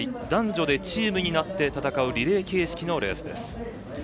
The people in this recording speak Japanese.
男女でチームになって戦うリレー形式のレースです。